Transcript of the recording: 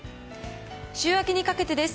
週明けにかけてです。